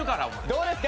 どうですか？